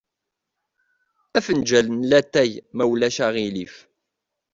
Afenǧal n watay, ma ulac aɣilif.